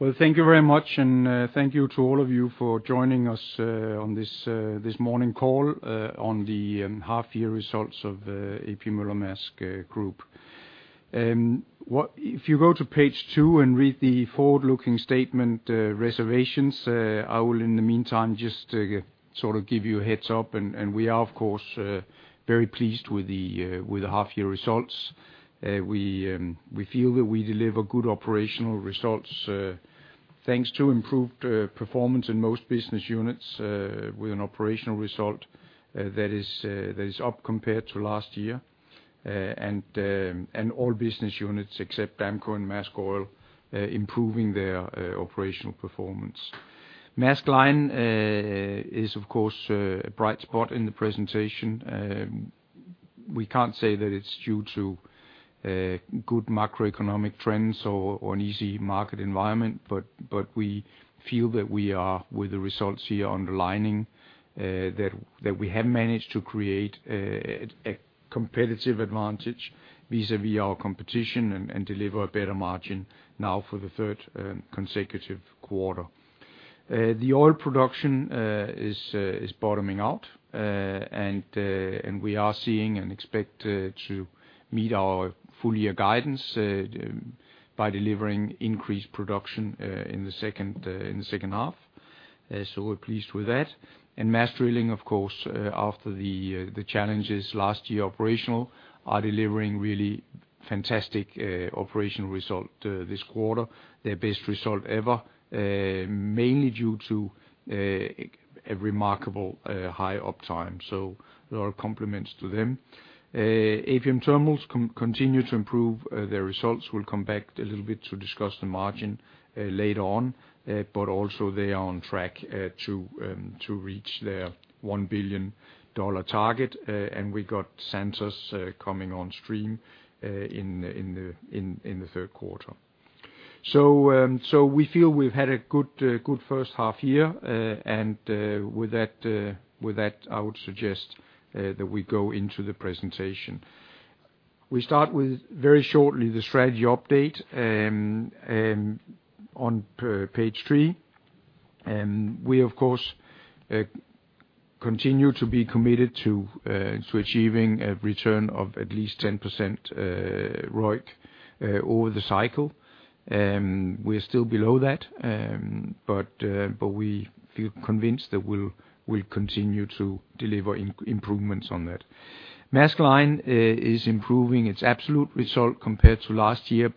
Well, thank you very much, and thank you to all of you for joining us on this morning call on the half year results of A.P. Møller - Mærsk Group. If you go to page two and read the forward-looking statement, reservations, I will in the meantime just sort of give you a heads up. We are, of course, very pleased with the half year results. We feel that we deliver good operational results, thanks to improved performance in most business units, with an operational result that is up compared to last year. All business units except Damco and Maersk Oil improving their operational performance. Maersk Line, is of course, a bright spot in the presentation. We can't say that it's due to good macroeconomic trends or an easy market environment, but we feel that we are, with the results here underlining, that we have managed to create a competitive advantage vis-à-vis our competition and deliver a better margin now for the third consecutive quarter. The oil production is bottoming out. And we are seeing and expect to meet our full year guidance by delivering increased production in the second half. So we're pleased with that. Maersk Drilling, of course, after the challenges last year operational, are delivering really fantastic operational result this quarter. Their best result ever, mainly due to a remarkable high uptime. A lot of compliments to them. APM Terminals continue to improve their results. We'll come back a little bit to discuss the margin later on. Also they are on track to reach their $1 billion target. We got Santos coming on stream in the third quarter. We feel we've had a good first half year. With that, I would suggest that we go into the presentation. We start with very shortly the strategy update on page three. We, of course, continue to be committed to achieving a return of at least 10% ROIC over the cycle. We're still below that, but we feel convinced that we'll continue to deliver improvements on that. Maersk Line is improving its absolute result compared to last year.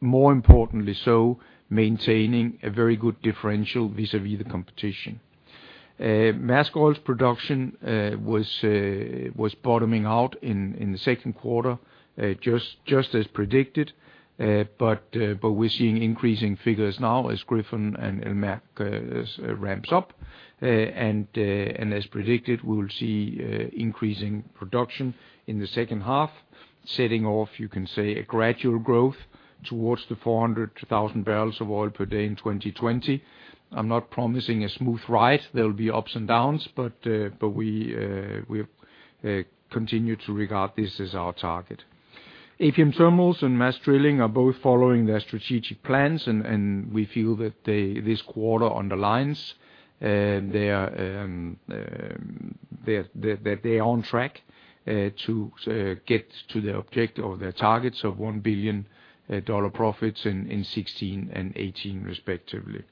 More importantly so, maintaining a very good differential vis-à-vis the competition. Maersk Oil's production was bottoming out in the second quarter, just as predicted. We're seeing increasing figures now as Gryphon and El Merk ramps up. As predicted, we'll see increasing production in the second half. Setting off, you can say, a gradual growth towards the 400,000 barrels of oil per day in 2020. I'm not promising a smooth ride. There'll be ups and downs, but we continue to regard this as our target. A.P. APM Terminals and Maersk Drilling are both following their strategic plans. We feel that this quarter underlines that they're on track to get to their targets of $1 billion profits in 2016 and 2018 respectively.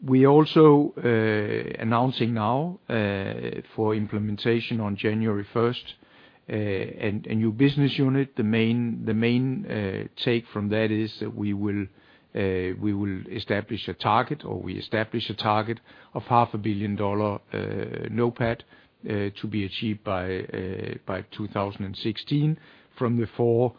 We are also announcing now for implementation on January 1st a new business unit. The main take from that is that we will establish a target of half a billion dollar NOPAT to be achieved by 2016 from the four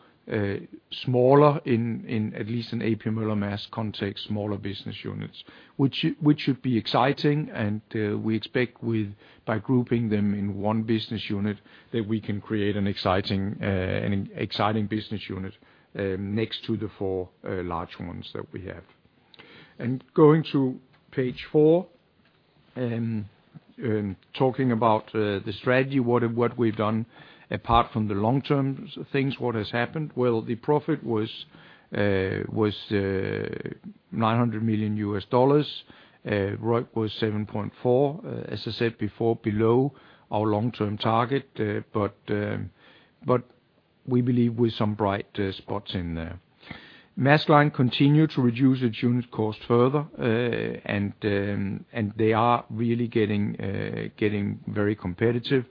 smaller, at least in A.P. Møller - Mærsk context, smaller business units. Which should be exciting, and we expect, by grouping them in one business unit, that we can create an exciting business unit next to the four large ones that we have. Going to page four, talking about the strategy, what we've done apart from the long-term things, what has happened. Well, the profit was $900 million. ROIC was 7.4%, as I said before, below our long-term target. We believe with some bright spots in there. Maersk Line continued to reduce its unit cost further, and they are really getting very competitive.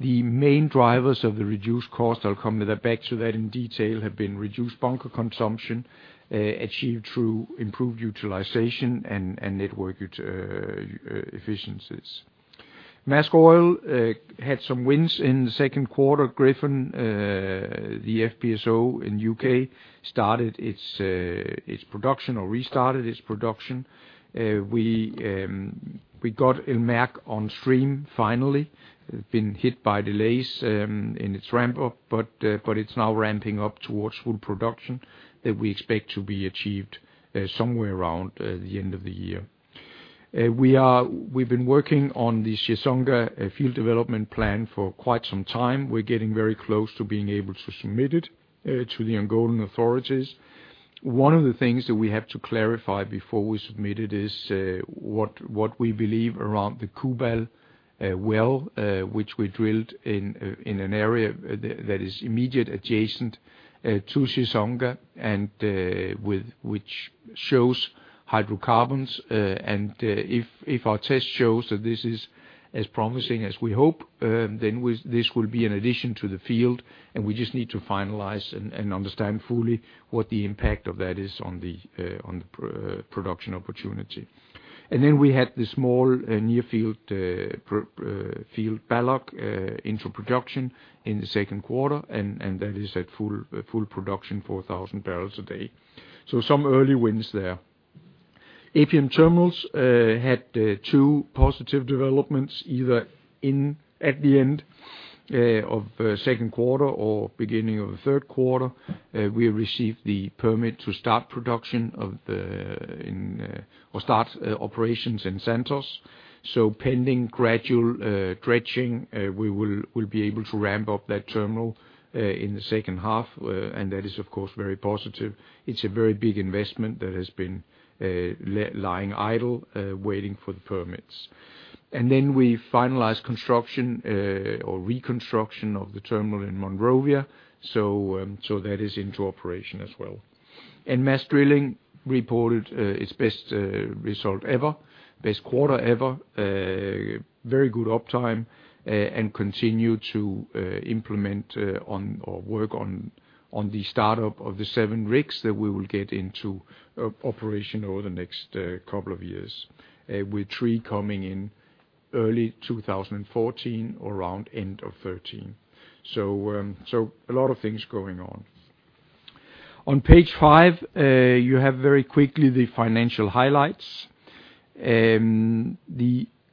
The main drivers of the reduced cost, I'll come back to that in detail, have been reduced bunker consumption, achieved through improved utilization and network efficiencies. Maersk Oil had some wins in the second quarter. Gryphon, the FPSO in U.K., started its production or restarted its production. We got El Merk on stream finally. Been hit by delays in its ramp up, but it's now ramping up towards full production that we expect to be achieved somewhere around the end of the year. We've been working on the Chissonga field development plan for quite some time. We're getting very close to being able to submit it to the Angolan authorities. One of the things that we have to clarify before we submit it is what we believe around the Cubal well, which we drilled in an area that is immediately adjacent to Chissonga and which shows hydrocarbons. If our test shows that this is as promising as we hope, this will be an addition to the field, and we just need to finalize and understand fully what the impact of that is on the pre-production opportunity. We had the small near-field Balloch into production in the second quarter, and that is at full production, 4,000 barrels a day. Some early wins there. APM Terminals had two positive developments either at the end of second quarter or beginning of the third quarter. We received the permit to start operations in Santos. Pending gradual dredging, we will be able to ramp up that terminal in the second half. That is, of course, very positive. It is a very big investment that has been lying idle waiting for the permits. We finalized construction or reconstruction of the terminal in Monrovia. That is in operation as well. Maersk Drilling reported its best result ever. Best quarter ever. Very good uptime and continue to work on the startup of the 7 rigs that we will get into operation over the next couple of years, with 3 coming in early 2014 or around end of 2013. A lot of things going on. On page five, you have very quickly the financial highlights. The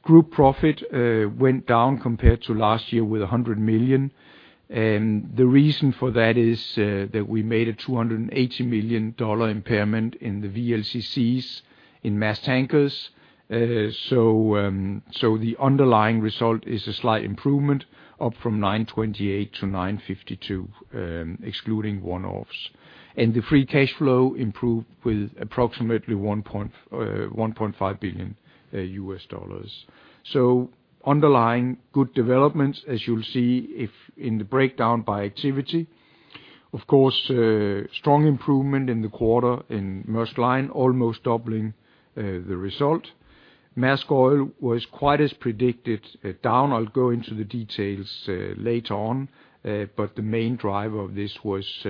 group profit went down compared to last year with $100 million. The reason for that is that we made a $280 million impairment in the VLCCs in Maersk Tankers. The underlying result is a slight improvement up from $928 million to $952 million, excluding one-offs. The free cash flow improved with approximately $1.5 billion. Underlying good developments, as you'll see in the breakdown by activity. Of course, strong improvement in the quarter in Maersk Line, almost doubling the result. Maersk Oil was quite as predicted down. I'll go into the details later on. But the main driver of this was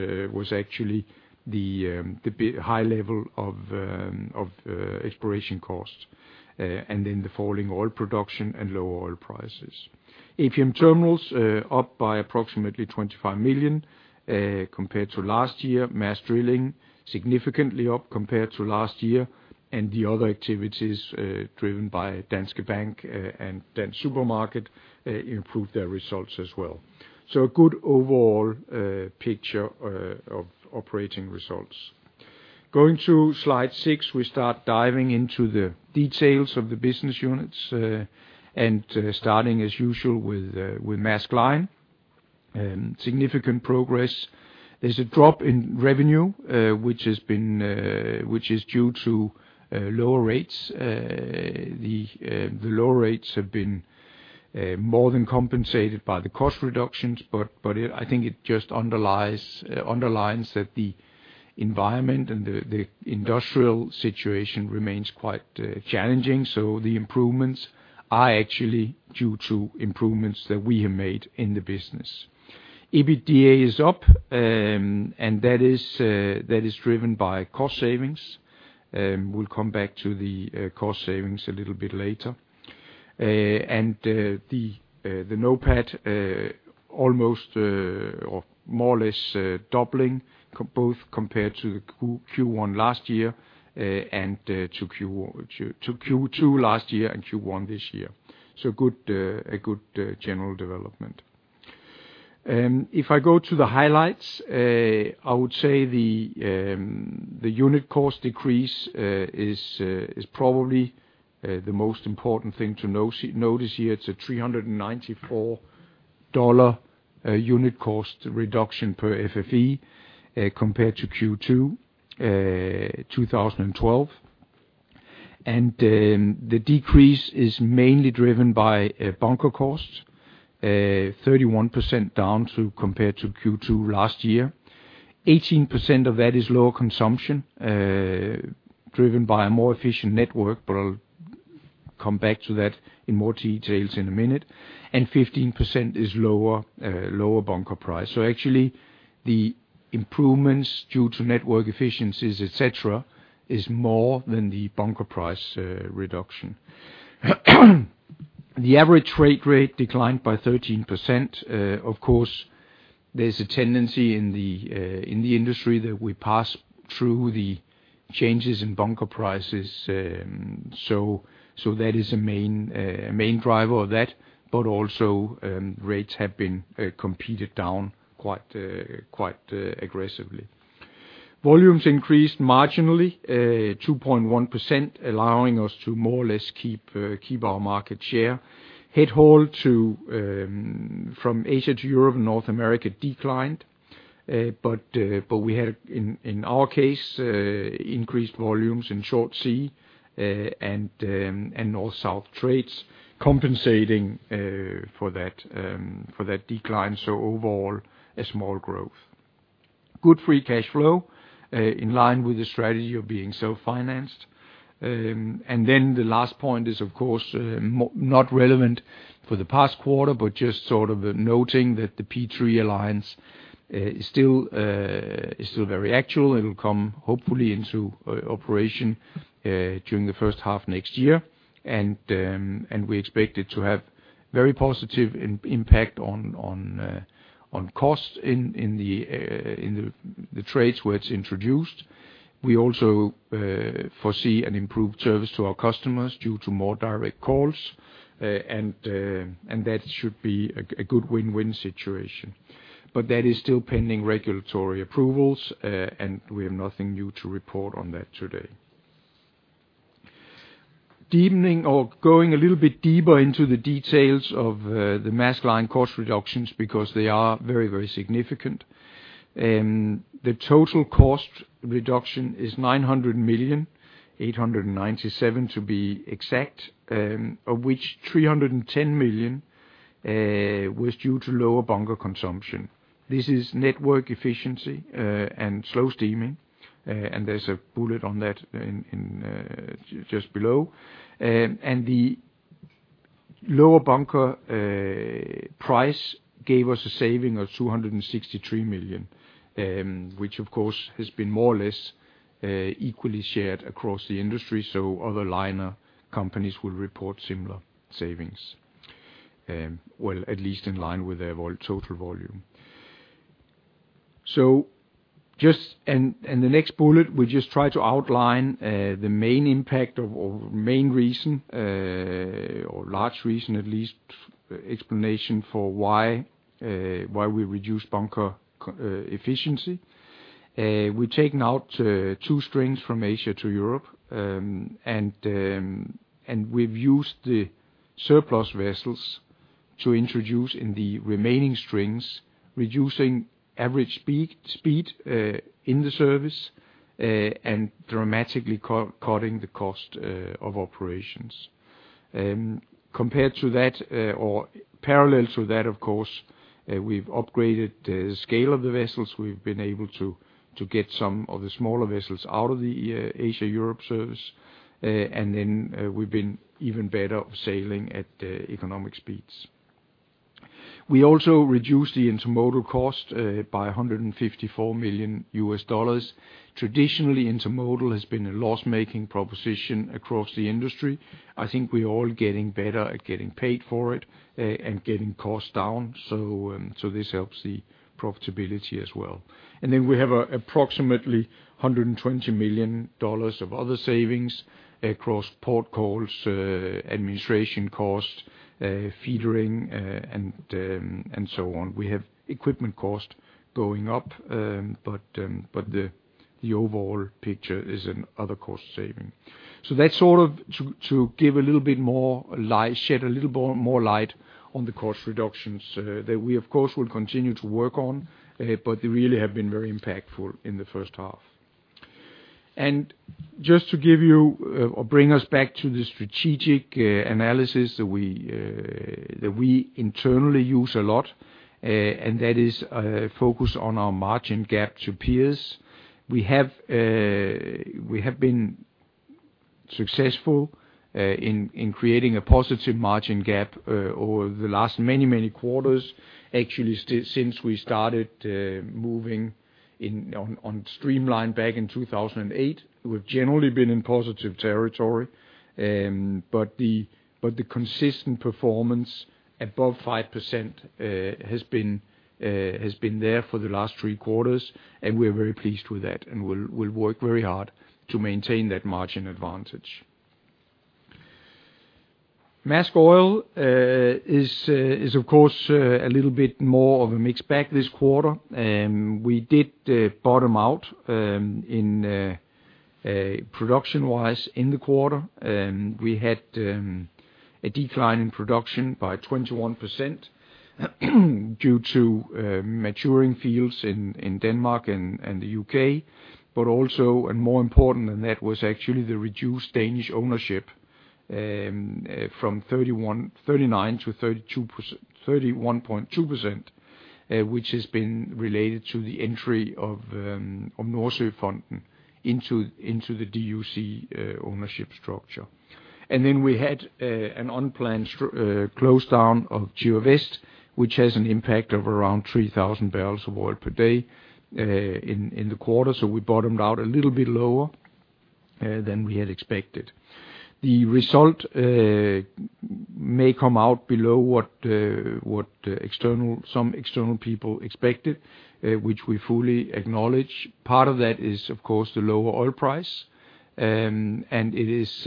actually the bit high level of exploration costs and then the falling oil production and lower oil prices. APM Terminals up by approximately $25 million compared to last year. Maersk Drilling significantly up compared to last year, and the other activities driven by Danske Bank and Dansk Supermarked improved their results as well. A good overall picture of operating results. Going to slide six, we start diving into the details of the business units, and starting as usual with Maersk Line. Significant progress. There's a drop in revenue, which is due to lower rates. The lower rates have been more than compensated by the cost reductions, but it, I think it just underlines that the environment and the industrial situation remains quite challenging. The improvements are actually due to improvements that we have made in the business. EBITDA is up, and that is driven by cost savings. We'll come back to the cost savings a little bit later. The NOPAT almost or more or less doubling both compared to the Q1 last year and to Q2 last year and Q1 this year. Good. A good general development. If I go to the highlights, I would say the unit cost decrease is probably the most important thing to notice here. It's a $394 unit cost reduction per FFE compared to Q2 2012. The decrease is mainly driven by bunker costs 31% down compared to Q2 last year. 18% of that is lower consumption driven by a more efficient network, but I'll come back to that in more details in a minute. 15% is lower bunker price. Actually, the improvements due to network efficiencies, et cetera, is more than the bunker price reduction. The average freight rate declined by 13%. Of course, there's a tendency in the industry that we pass through the changes in bunker prices. So that is a main driver of that, but also, rates have been competed down quite aggressively. Volumes increased marginally, 2.1%, allowing us to more or less keep our market share. Head haul to from Asia to Europe and North America declined, but we had in our case increased volumes in short sea and North/South trades compensating for that decline. Overall, a small growth. Good free cash flow in line with the strategy of being self-financed. Then the last point is, of course, not relevant for the past quarter, but just sort of noting that the P3 Alliance is still very actual. It will come, hopefully, into operation during the first half next year. We expect it to have very positive impact on costs in the trades where it's introduced. We also foresee an improved service to our customers due to more direct calls. That should be a good win-win situation. That is still pending regulatory approvals, and we have nothing new to report on that today. Deepening or going a little bit deeper into the details of the Maersk Line cost reductions, because they are very significant. The total cost reduction is $900.897 million to be exact, of which $310 million was due to lower bunker consumption. This is network efficiency and slow steaming. There's a bullet on that in just below. The lower bunker price gave us a saving of $263 million, which, of course, has been more or less equally shared across the industry, so other liner companies will report similar savings. Well at least in line with their total volume. The next bullet, we just try to outline the main impact of, or main reason, or large reason at least, explanation for why we reduced bunker efficiency. We've taken out two strings from Asia to Europe, and we've used the surplus vessels to introduce in the remaining strings, reducing average speed in the service, and dramatically cutting the cost of operations. Compared to that, or parallel to that, of course, we've upgraded the scale of the vessels. We've been able to get some of the smaller vessels out of the Asia/Europe service. Then we've been even better off sailing at economic speeds. We also reduced the intermodal cost by $154 million. Traditionally, intermodal has been a loss-making proposition across the industry. I think we're all getting better at getting paid for it and getting costs down. This helps the profitability as well. We have approximately $120 million of other savings across port calls, administration costs, feedering, and so on. We have equipment cost going up, but the overall picture is in other cost saving. That's sort of to give a little bit more light, shed a little more light on the cost reductions that we, of course, will continue to work on, but they really have been very impactful in the first half. Just to give you or bring us back to the strategic analysis that we internally use a lot, and that is focus on our margin gap to peers. We have been successful in creating a positive margin gap over the last many quarters. Actually, since we started moving in on streamLINE back in 2008, we've generally been in positive territory. But the consistent performance above 5% has been there for the last three quarters, and we're very pleased with that, and we'll work very hard to maintain that margin advantage. Maersk Oil is, of course, a little bit more of a mixed bag this quarter. We did bottom out in production-wise in the quarter. We had a decline in production by 21% due to maturing fields in Denmark and the UK. Also, more important than that, was actually the reduced Danish ownership from 31.39% to 32%, 31.2%, which has been related to the entry of Nordsøfonden into the DUC ownership structure. Then we had an unplanned close down of Gjøa Vest, which has an impact of around 3,000 barrels of oil per day in the quarter. We bottomed out a little bit lower than we had expected. The result may come out below what some external people expected, which we fully acknowledge. Part of that is, of course, the lower oil price. It is,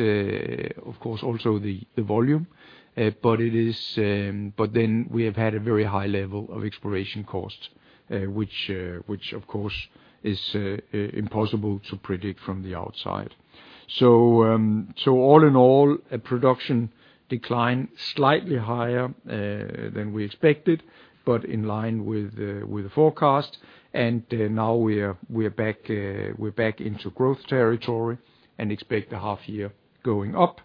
of course, also the volume. It is. Then we have had a very high level of exploration costs, which, of course, is impossible to predict from the outside. All in all, production declined slightly higher than we expected, but in line with the forecast. Now we are back into growth territory and expect the half-year going up.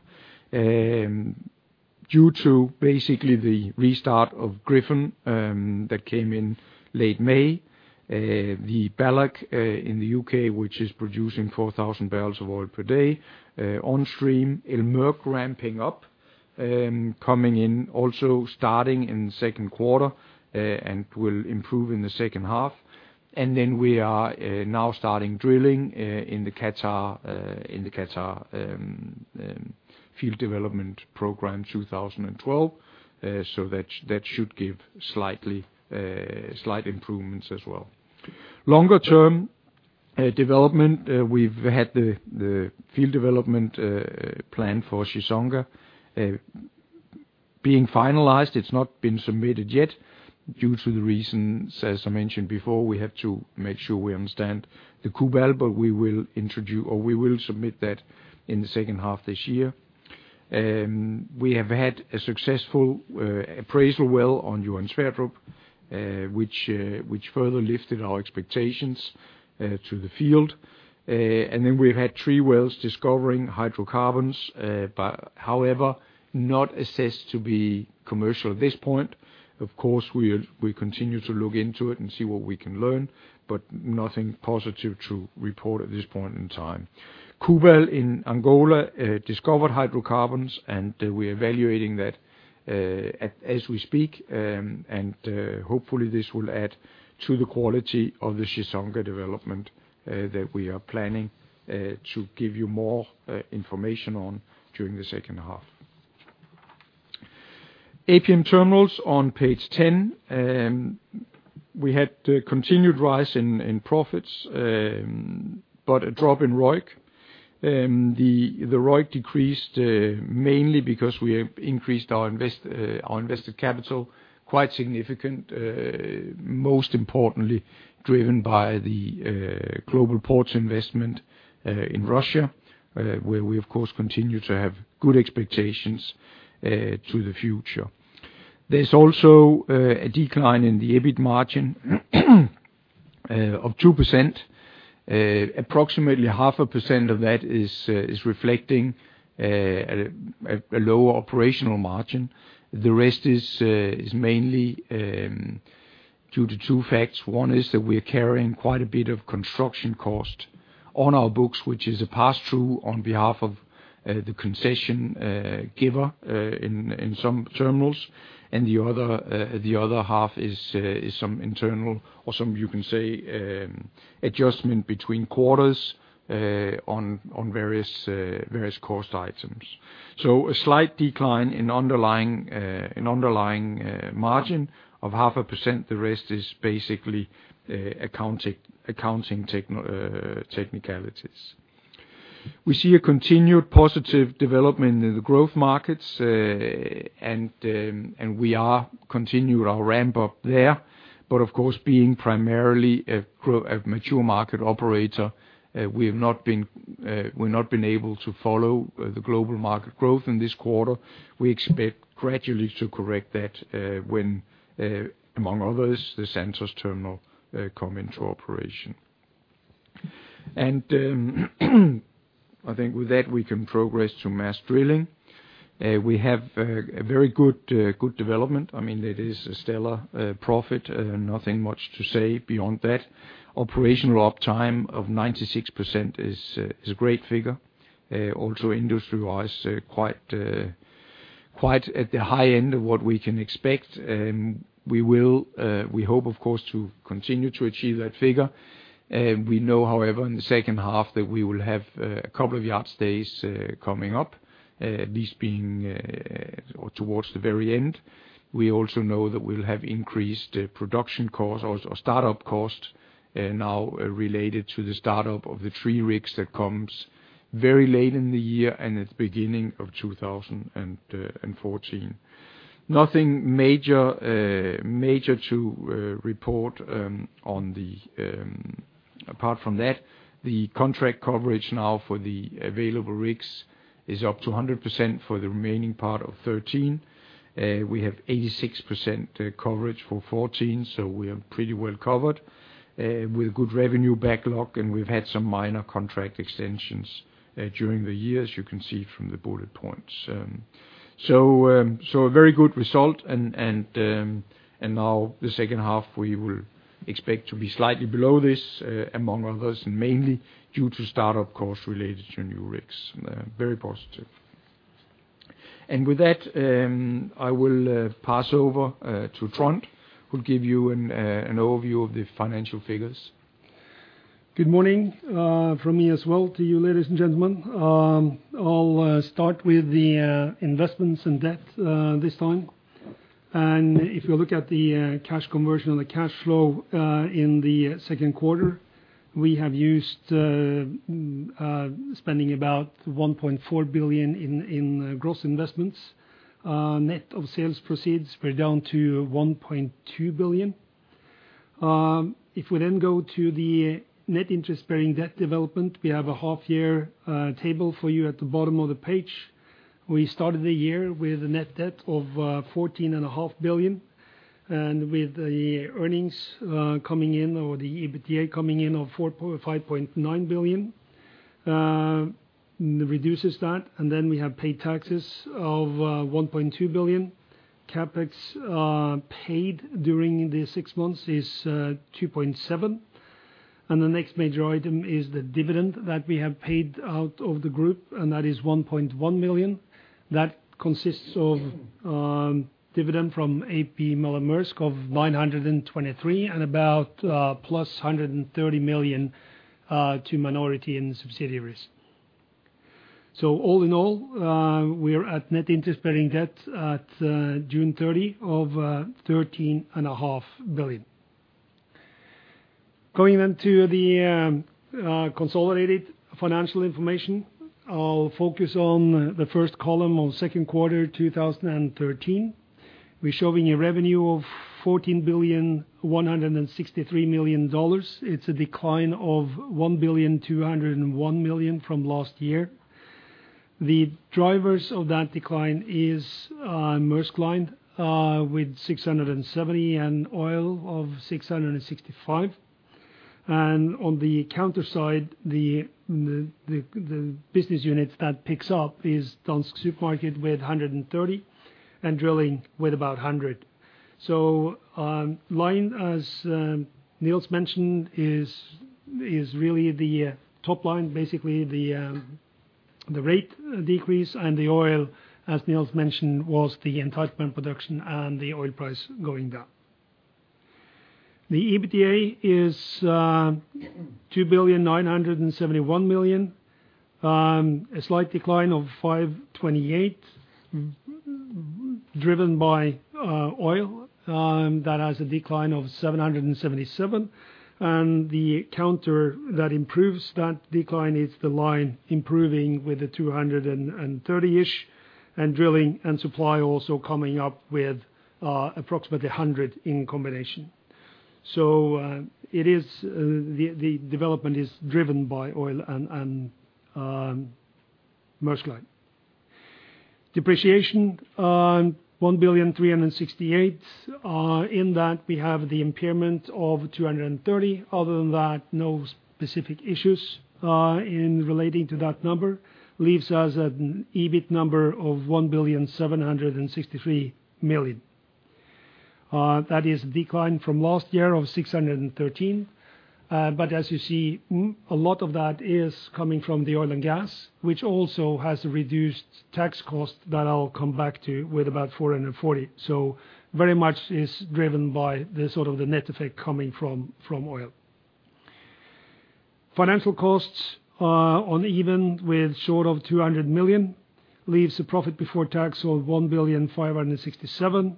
Due to basically the restart of Gryphon that came in late May. The Balloch in the UK, which is producing 4,000 barrels of oil per day, on stream. El Merk ramping up, coming in also starting in the second quarter, and will improve in the second half. Then we are now starting drilling in Qatar field development program 2012. That should give slight improvements as well. Longer-term development, we've had the field development plan for Chissonga being finalized. It's not been submitted yet due to the reasons, as I mentioned before, we have to make sure we understand the Cubal, but we will introduce or we will submit that in the second half this year. We have had a successful appraisal well on Johan Sverdrup, which further lifted our expectations to the field. We've had three wells discovering hydrocarbons, but however not assessed to be commercial at this point. Of course, we continue to look into it and see what we can learn, but nothing positive to report at this point in time. Cubal in Angola discovered hydrocarbons, and we're evaluating that as we speak. Hopefully, this will add to the quality of the Chissonga development that we are planning to give you more information on during the second half. APM Terminals on page 10. We had a continued rise in profits but a drop in ROIC. The ROIC decreased mainly because we have increased our invested capital quite significant, most importantly, driven by the Global Ports Investments investment in Russia, where we, of course, continue to have good expectations to the future. There's also a decline in the EBIT margin of 2%. Approximately half a percent of that is reflecting a lower operational margin. The rest is mainly due to two facts. One is that we are carrying quite a bit of construction cost on our books, which is a pass-through on behalf of the concession giver in some terminals. The other half is some internal or some you can say adjustment between quarters on various cost items. A slight decline in underlying margin of 0.5%. The rest is basically accounting technicalities. We see a continued positive development in the growth markets and we are continuing our ramp up there. Of course, being primarily a mature market operator, we've not been able to follow the global market growth in this quarter. We expect gradually to correct that, when, among others, the Santos terminal come into operation. I think with that we can progress to Maersk Drilling. We have a very good development. I mean, it is a stellar profit. Nothing much to say beyond that. Operational uptime of 96% is a great figure. Also industry-wise, quite at the high end of what we can expect. We hope, of course, to continue to achieve that figure. We know, however, in the second half that we will have a couple of yard stays coming up, this being or towards the very end. We also know that we'll have increased production costs or startup costs now related to the startup of the 3 rigs that comes very late in the year and at the beginning of 2014. Nothing major to report. Apart from that, the contract coverage now for the available rigs is up to 100% for the remaining part of 2013. We have 86% coverage for 2014, so we are pretty well covered with good revenue backlog, and we've had some minor contract extensions during the year, as you can see from the bullet points. A very good result and now the second half we will expect to be slightly below this, among others, and mainly due to start-up costs related to new rigs. Very positive. With that, I will pass over to Trond, who'll give you an overview of the financial figures. Good morning from me as well to you, ladies and gentlemen. I'll start with the investments and debt this time. If you look at the cash conversion on the cash flow in the second quarter, we have used spending about $1.4 billion in gross investments. Net of sales proceeds, we're down to $1.2 billion. If we then go to the net interest-bearing debt development, we have a half year table for you at the bottom of the page. We started the year with a net debt of $14.5 billion, and with the earnings coming in, or the EBITDA coming in of $5.9 billion, reduces that, and then we have paid taxes of $1.2 billion. CapEx paid during the six months is $2.7 billion. The next major item is the dividend that we have paid out of the group, and that is $1.1 billion. That consists of dividend from A.P. Møller – Mærsk of $923 million and about +$130 million to minority and subsidiaries. All in all, we're at net interest bearing debt at June 30 of $13.5 billion. Going into the consolidated financial information, I'll focus on the first column on second quarter 2013. We're showing a revenue of $14.163 billion. It's a decline of $1.201 billion from last year. The drivers of that decline is Maersk Line with 670 and Oil of 665. On the counter side, the business unit that picks up is Dansk Supermarked with 130, and Drilling with about 100. Line, as Nils mentioned, is really the top line, basically the rate decrease and the Oil, as Nils mentioned, was the entitlement production and the oil price going down. The EBITDA is $2.971 billion. A slight decline of $528, driven by Oil that has a decline of $777. The counter that improves that decline is the Line improving with a 230-ish, and Drilling and Supply also coming up with approximately 100 in combination. The development is driven by Oil and Maersk Line. Depreciation $1,368 million. In that, we have the impairment of $230 million. Other than that, no specific issues in relating to that number. Leaves us an EBIT number of $1,763 million. That is declined from last year of $613 million. As you see, a lot of that is coming from the Oil and Gas, which also has a reduced tax cost that I'll come back to with about $440 million. Very much is driven by the sort of net effect coming from Oil. Financial costs short of $200 million leaves a profit before tax of $1,567 million.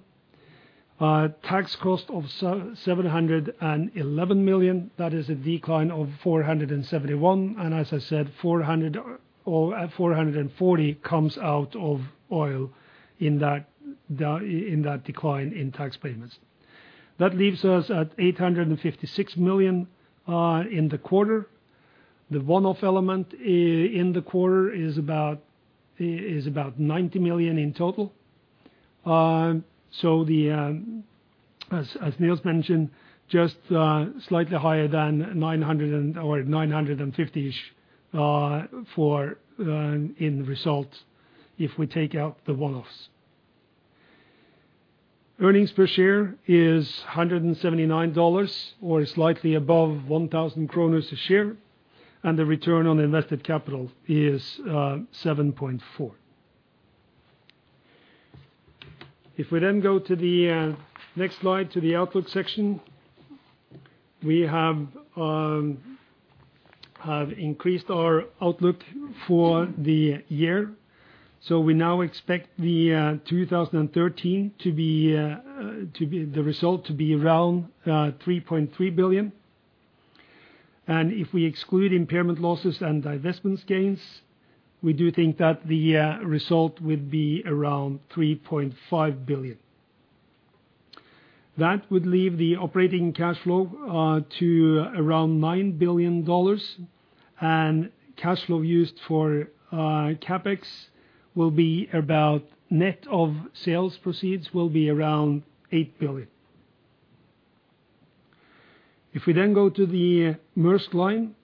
Tax cost of $711 million, that is a decline of $471. As I said, $440 comes out of Oil in that decline in tax payments. That leaves us at $856 million in the quarter. The one-off element in the quarter is about $90 million in total. As Nils mentioned, just slightly higher than $950-ish in results if we take out the one-offs. Earnings per share is $179 or slightly above 1,000 kroner a share, and the return on invested capital is 7.4%. If we then go to the next slide, to the outlook section, we have increased our outlook for the year. We now expect the 2013 to be the result to be around $3.3 billion. If we exclude impairment losses and divestment gains, we do think that the result would be around $3.5 billion. That would leave the operating cash flow to around $9 billion. Cash flow used for CapEx will be about net of sales proceeds around $8 billion. If we then go to the Maersk Line,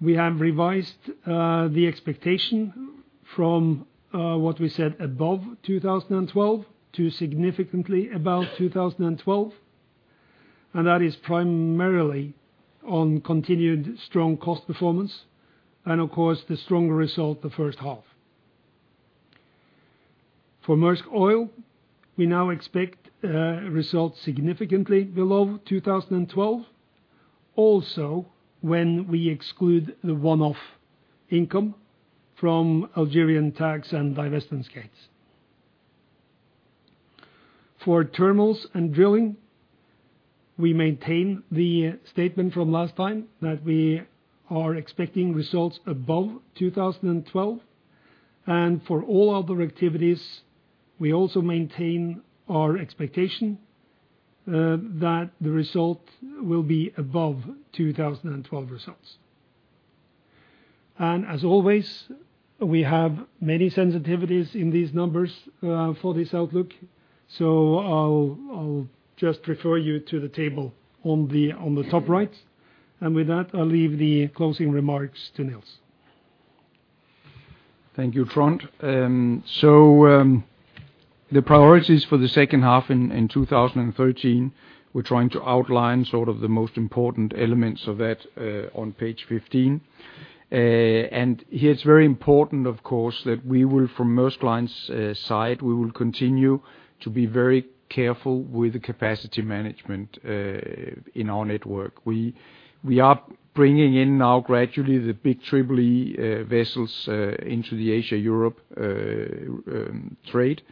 we have revised the expectation from what we said above 2012 to significantly above 2012, and that is primarily on continued strong cost performance and, of course, the stronger results in the first half. For Maersk Oil, we now expect results significantly below 2012. Also, when we exclude the one-off income from Algerian tax and divestment gains. For terminals and drilling, we maintain the statement from last time that we are expecting results above 2012. For all other activities, we also maintain our expectation that the result will be above 2012 results. As always, we have many sensitivities in these numbers for this outlook. I'll just refer you to the table on the top right. With that, I'll leave the closing remarks to Nils. Thank you, Trond. The priorities for the second half in 2013, we're trying to outline sort of the most important elements of that on page 15. Here, it's very important, of course, that we will from Maersk Line's side, we will continue to be very careful with the capacity management in our network. We are bringing in now gradually the big Triple-E vessels into the Asia-Europe trade.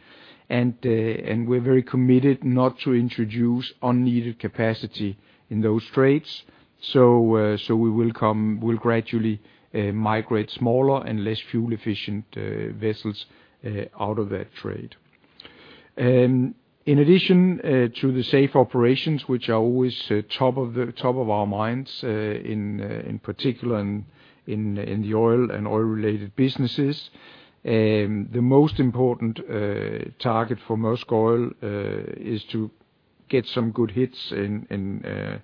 We're very committed not to introduce unneeded capacity in those trades. We'll gradually migrate smaller and less fuel efficient vessels out of that trade. In addition to the safe operations, which are always top of our minds, in particular in the oil and oil-related businesses, the most important target for Maersk Oil is to get some good hits in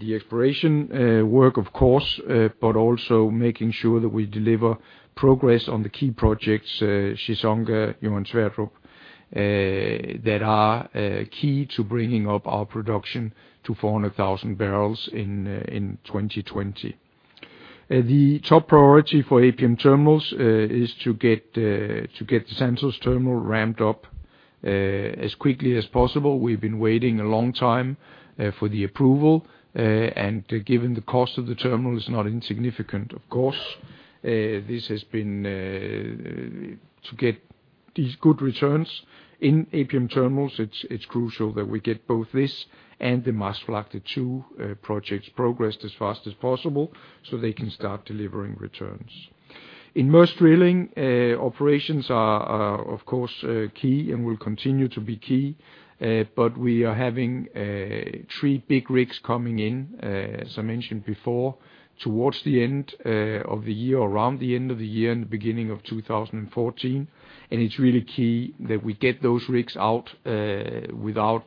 the exploration work, of course. Also making sure that we deliver progress on the key projects, Chissonga, Johan Sverdrup, that are key to bringing up our production to 400,000 barrels in 2020. The top priority for APM Terminals is to get the Santos Terminal ramped up as quickly as possible. We've been waiting a long time for the approval. Given the cost of the terminal is not insignificant, of course. This has been to get these good returns in APM Terminals. It's crucial that we get both this and the Maasvlakte II projects progressed as fast as possible so they can start delivering returns. In Maersk Drilling, operations are, of course, key and will continue to be key. But we are having three big rigs coming in, as I mentioned before, towards the end of the year, around the end of the year and the beginning of 2014. It's really key that we get those rigs out without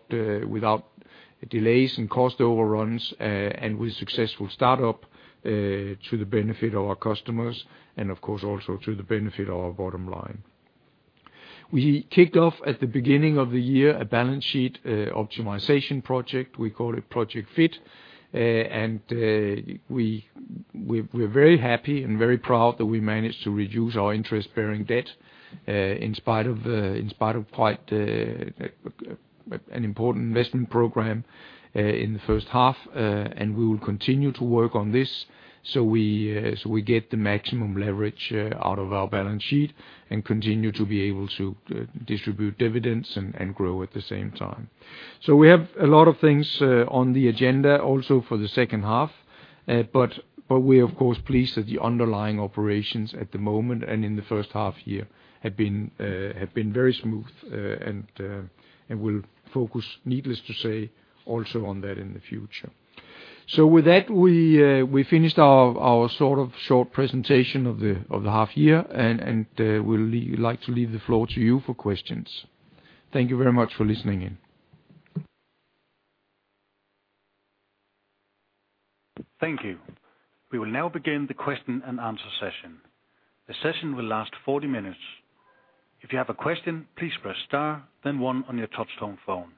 delays and cost overruns and with successful startup to the benefit of our customers and, of course, also to the benefit of our bottom line. We kicked off at the beginning of the year a balance sheet optimization project. We call it Project Fit. We're very happy and very proud that we managed to reduce our interest-bearing debt in spite of quite an important investment program in the first half. We will continue to work on this so we get the maximum leverage out of our balance sheet and continue to be able to distribute dividends and grow at the same time. We have a lot of things on the agenda also for the second half. We're, of course, pleased that the underlying operations at the moment and in the first half year have been very smooth. We'll focus, needless to say, also on that in the future. With that, we've finished our sort of short presentation of the half year. We'll like to leave the floor to you for questions. Thank you very much for listening in. Thank you. We will now begin the question and answer session. The session will last 40 minutes. If you have a question, please press star then one on your touch tone phone.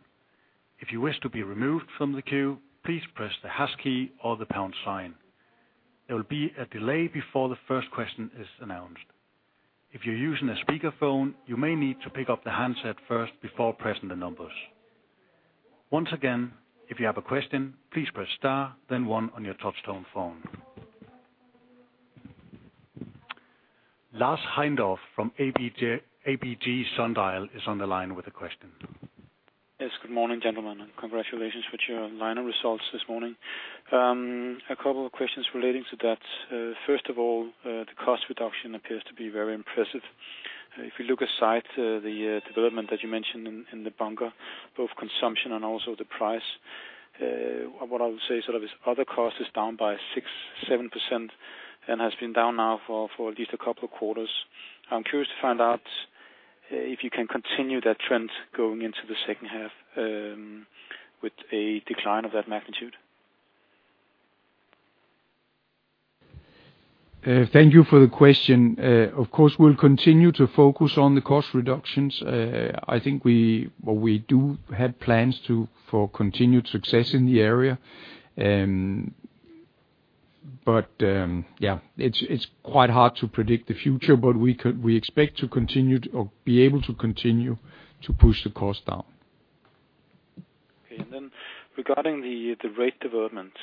If you wish to be removed from the queue, please press the hash key or the pound sign. There will be a delay before the first question is announced. If you're using a speakerphone, you may need to pick up the handset first before pressing the numbers. Once again, if you have a question, please press star then one on your touch tone phone. Lars Heindorff from ABG Sundal Collier is on the line with a question. Yes, good morning, gentlemen, and congratulations for your line of results this morning. A couple of questions relating to that. First of all, the cost reduction appears to be very impressive. If you look aside the development that you mentioned in the bunker, both consumption and also the price, what I would say sort of is other costs is down by 6%-7% and has been down now for at least a couple of quarters. I'm curious to find out if you can continue that trend going into the second half, with a decline of that magnitude. Thank you for the question. Of course, we'll continue to focus on the cost reductions. I think we do have plans for continued success in the area. Yeah, it's quite hard to predict the future, but we expect to continue to or be able to continue to push the cost down. Okay. Regarding the rate development,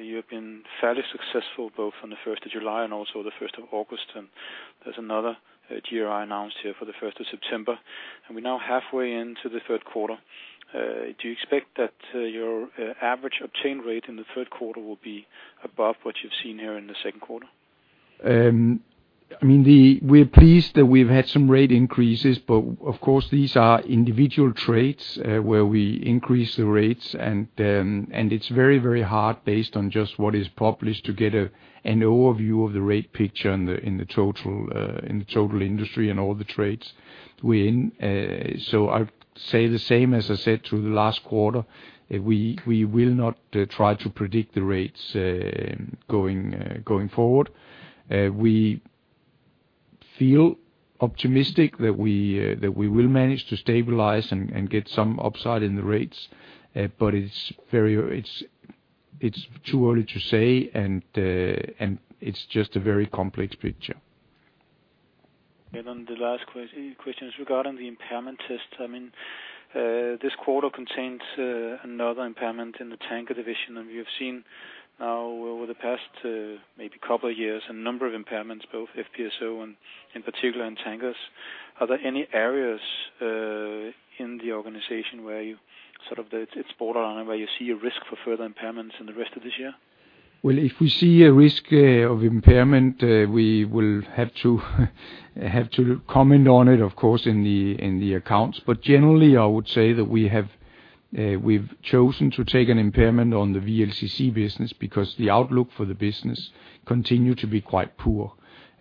you have been fairly successful both on the first of July and also the first of August, and there's another GRI announced here for the first of September, and we're now halfway into the third quarter. Do you expect that your average obtained rate in the third quarter will be above what you've seen here in the second quarter? I mean, we're pleased that we've had some rate increases. Of course, these are individual trades where we increase the rates and it's very hard based on just what is published to get an overview of the rate picture in the total industry and all the trades we're in. I say the same as I said through the last quarter. We will not try to predict the rates going forward. We feel optimistic that we will manage to stabilize and get some upside in the rates. It's too early to say and it's just a very complex picture. Then the last question is regarding the impairment test. I mean, this quarter contains another impairment in the tanker division, and we have seen now over the past maybe couple of years, a number of impairments, both FPSO and in particular in tankers. Are there any areas in the organization where you sort of, it's borderline where you see a risk for further impairments in the rest of this year? Well, if we see a risk of impairment, we will have to comment on it, of course, in the accounts. Generally, I would say that we've chosen to take an impairment on the VLCC business because the outlook for the business continue to be quite poor.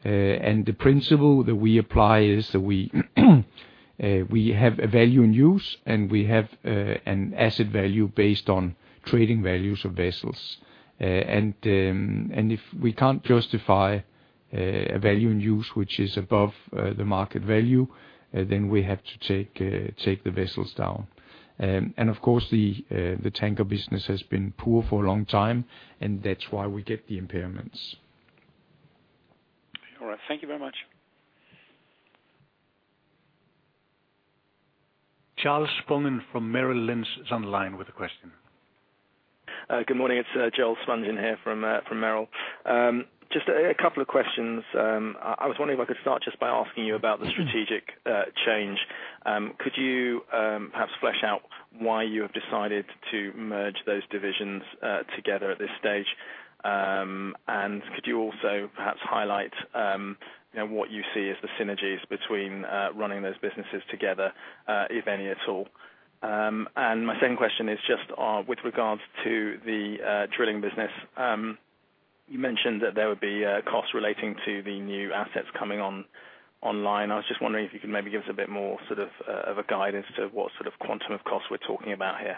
The principle that we apply is that we have a value in use, and we have an asset value based on trading values of vessels. If we can't justify a value in use which is above the market value, then we have to take the vessels down. Of course the tanker business has been poor for a long time, and that's why we get the impairments. All right. Thank you very much. Charles Sherrington from Merrill Lynch is on the line with a question. Good morning. It's Joe Schager here from Merrill. Just a couple of questions. I was wondering if I could start just by asking you about the strategic change. Could you perhaps flesh out why you have decided to merge those divisions together at this stage? And could you also perhaps highlight, you know, what you see as the synergies between running those businesses together, if any, at all? My second question is just with regards to the drilling business. You mentioned that there would be costs relating to the new assets coming online. I was just wondering if you could maybe give us a bit more sort of of a guide as to what sort of quantum of costs we're talking about here.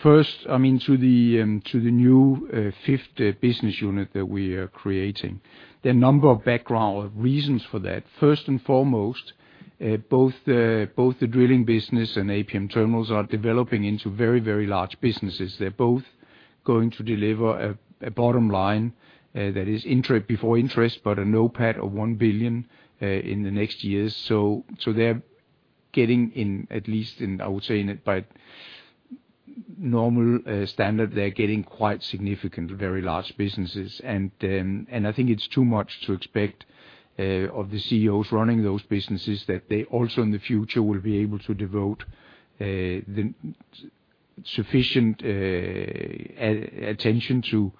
First, to the new fifth business unit that we are creating, there are a number of background reasons for that. First and foremost, both the drilling business and APM Terminals are developing into very, very large businesses. They're both going to deliver a NOPAT of $1 billion in the next years. So they're getting, at least in, I would say, in it by normal standards, quite significant, very large businesses. I think it's too much to expect of the CEOs running those businesses that they also in the future will be able to devote the sufficient attention to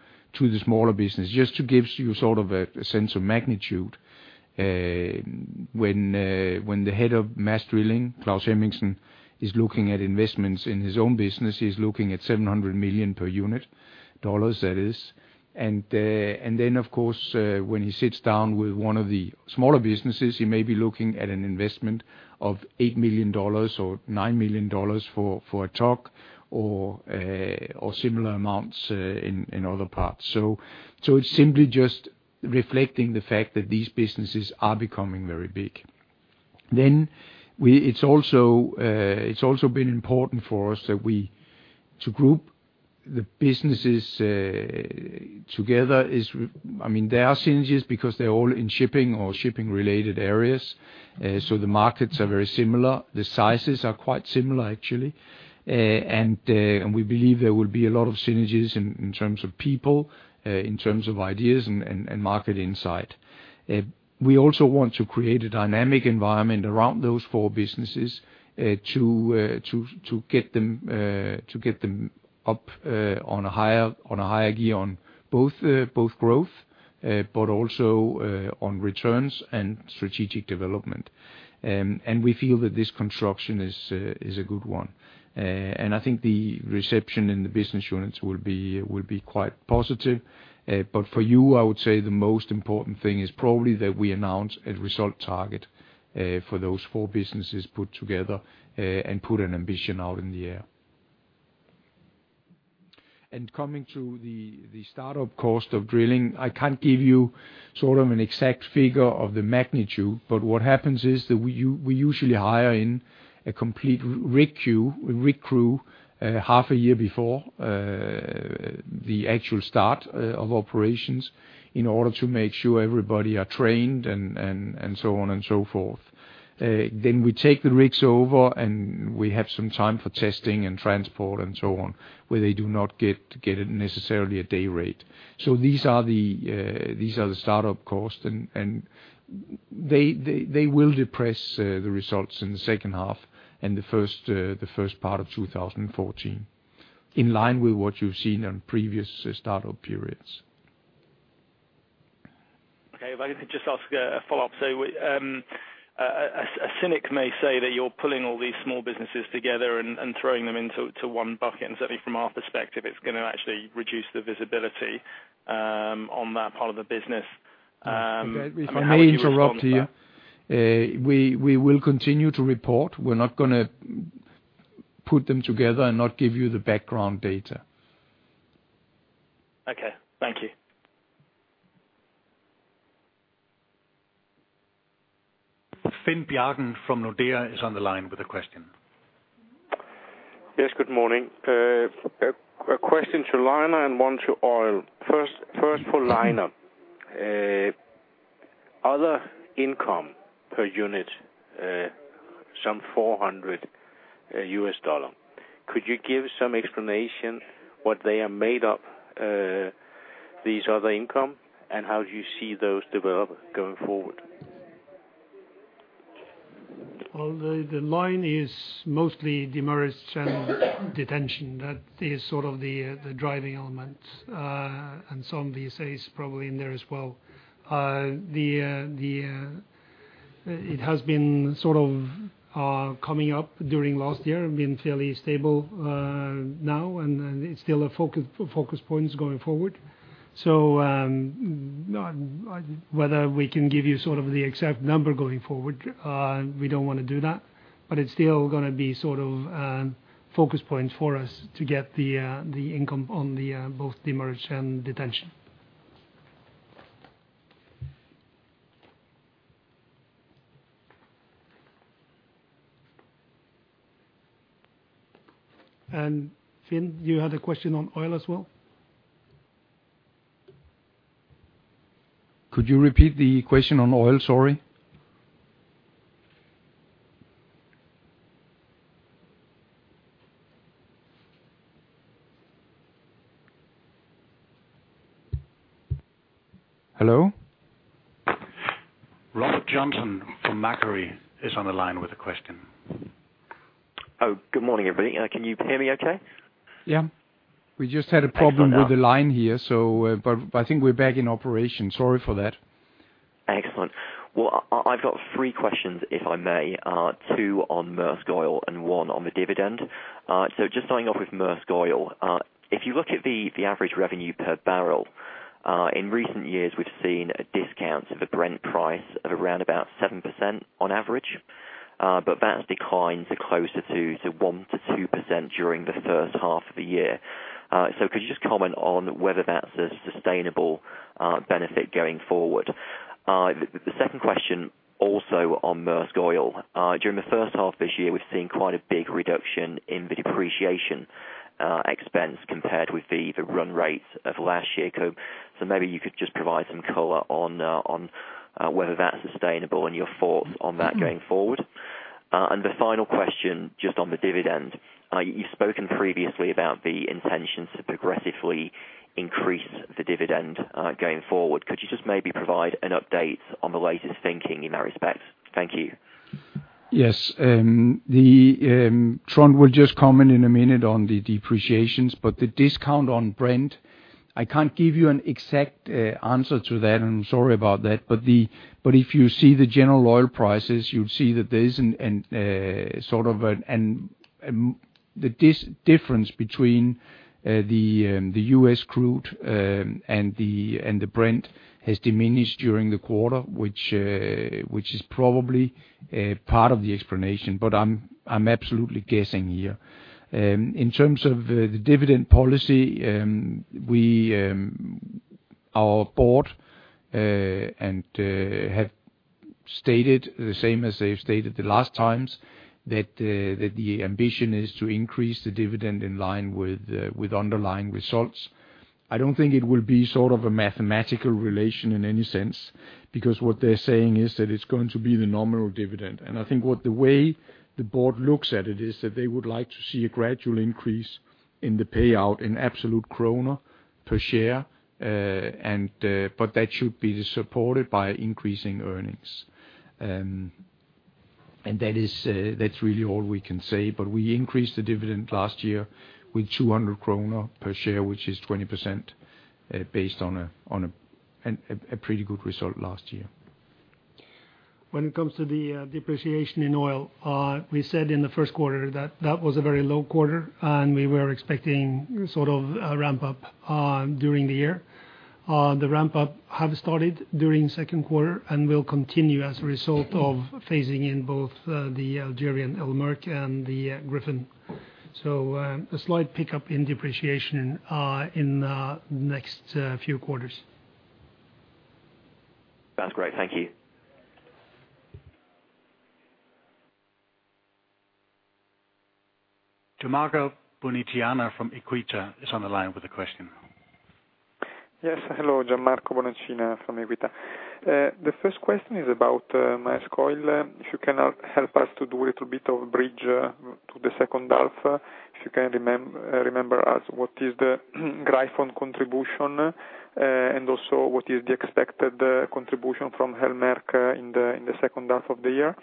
the smaller business. Just to give you sort of a sense of magnitude, when the head of Maersk Drilling, Claus Hemmingsen, is looking at investments in his own business, he's looking at $700 million per unit, dollars that is. Then, of course, when he sits down with one of the smaller businesses, he may be looking at an investment of $8 million or $9 million for a talk or similar amounts in other parts. It's simply just reflecting the fact that these businesses are becoming very big. It's also been important for us that we to group the businesses together is, I mean, there are synergies because they're all in shipping or shipping-related areas. The markets are very similar. The sizes are quite similar actually. We believe there will be a lot of synergies in terms of people, in terms of ideas and market insight. We also want to create a dynamic environment around those four businesses to get them up on a higher gear on both growth but also on returns and strategic development. We feel that this construction is a good one. I think the reception in the business units will be quite positive. For you, I would say the most important thing is probably that we announce a result target for those four businesses put together, and put an ambition out there. Coming to the start-up costs of drilling, I can't give you sort of an exact figure on the magnitude, but what happens is that we usually hire in a complete rig crew half a year before the actual start of operations in order to make sure everybody are trained and so on and so forth. We take the rigs over, and we have some time for testing and transport and so on, where they do not get necessarily a day rate. These are the start-up costs and they will depress the results in the second half and the first part of 2014. In line with what you've seen on previous start-up periods. Okay. If I could just ask a follow-up. A cynic may say that you're pulling all these small businesses together and throwing them into one bucket. Certainly from our perspective, it's gonna actually reduce the visibility on that part of the business. How would you respond to that? Okay. If I may interrupt here. We will continue to report. We're not gonna put them together and not give you the background data. Okay. Thank you. Finn Bjarke from Nordea is on the line with a question. Yes, good morning. A question to liner and one to oil. First for liner. Other income per unit, some $400. Could you give some explanation what they are made of, these other income, and how do you see those develop going forward? Well, the line is mostly demurrage and detention. That is sort of the driving element. And some of the SG&A is probably in there as well. It has been sort of coming up during last year and been fairly stable now, and it's still a focus point going forward. Whether we can give you sort of the exact number going forward, we don't wanna do that, but it's still gonna be sort of focus point for us to get the income on both demurrage and detention. And Finn, you had a question on oil as well? Could you repeat the question on oil, sorry? Hello? Rob Stanton from Macquarie is on the line with a question. Oh, good morning, everybody. Can you hear me okay? Yeah. We just had a problem. Excellent, now. I think we're back in operation. Sorry for that. Excellent. I've got three questions, if I may. Two on Maersk Oil and one on the dividend. Just starting off with Maersk Oil. If you look at the average revenue per barrel in recent years, we've seen discounts of the Brent price of around about 7% on average. But that's declined to closer to 1%-2% during the first half of the year. Could you just comment on whether that's a sustainable benefit going forward? The second question also on Maersk Oil. During the first half this year, we've seen quite a big reduction in the depreciation expense compared with the run rate of last year. Maybe you could just provide some color on whether that's sustainable and your thoughts on that going forward. The final question, just on the dividend. You've spoken previously about the intentions to progressively increase the dividend, going forward. Could you just maybe provide an update on the latest thinking in that respect? Thank you. Yes. Trond will just comment in a minute on the depreciations. The discount on Brent, I can't give you an exact answer to that, and I'm sorry about that. If you see the general oil prices, you'd see that the difference between the U.S. crude and the Brent has diminished during the quarter, which is probably part of the explanation, but I'm absolutely guessing here. In terms of the dividend policy, we and our board have stated the same as they've stated the last times that the ambition is to increase the dividend in line with underlying results. I don't think it will be sort of a mathematical relation in any sense, because what they're saying is that it's going to be the nominal dividend. I think the way the board looks at it is that they would like to see a gradual increase in the payout in absolute kroner per share. But that should be supported by increasing earnings. That's really all we can say. We increased the dividend last year with 200 kroner per share, which is 20%, based on a pretty good result last year. When it comes to the depreciation in oil, we said in the first quarter that that was a very low quarter, and we were expecting sort of a ramp-up during the year. The ramp up have started during second quarter and will continue as a result of phasing in both the Algerian El Merk and the Gryphon. A slight pickup in depreciation in next few quarters. Sounds great. Thank you. Gianmarco Bonacina from Equita is on the line with a question. Yes. Hello, Gianmarco Bonacina from Equita. The first question is about Maersk Oil. If you can help us to do a little bit of bridge to the second half. If you can remember what is the Gryphon contribution, and also what is the expected contribution from El Merk in the second half of the year.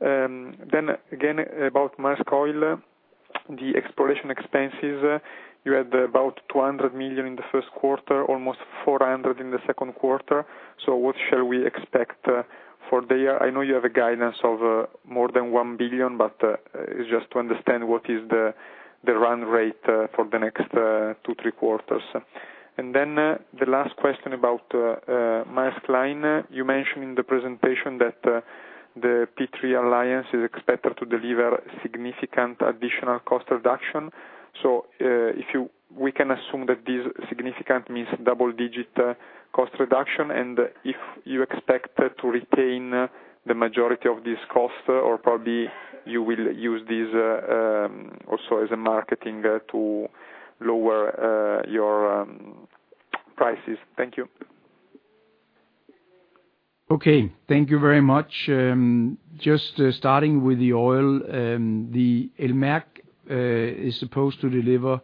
Then again, about Maersk Oil, the exploration expenses, you had about $200 million in the first quarter, almost $400 million in the second quarter. What shall we expect for the year? I know you have a guidance of more than $1 billion, but just to understand what is the run rate for the next two, three quarters. The last question about Maersk Line. You mentioned in the presentation that the P3 Alliance is expected to deliver significant additional cost reduction. If we can assume that this significant means double digit cost reduction, and if you expect to retain the majority of this cost or probably you will use this also as a marketing to lower your prices. Thank you. Okay. Thank you very much. Just starting with the oil, the El Merk is supposed to deliver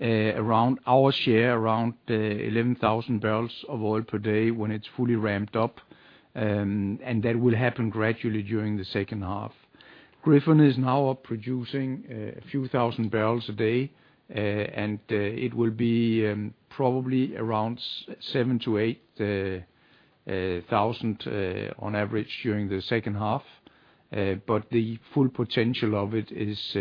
around our share, around 11,000 barrels of oil per day when it's fully ramped up. That will happen gradually during the second half. Gryphon is now up, producing a few thousand barrels a day. It will be probably around 7,000-8,000 on average during the second half. The full potential of it is